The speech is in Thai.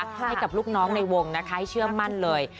ให้กับลูกน้องในวงนะคะให้เชื่อมั่นเลย